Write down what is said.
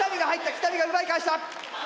北見が奪い返した！